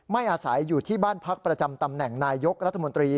อาศัยอยู่ที่บ้านพักประจำตำแหน่งนายยกรัฐมนตรี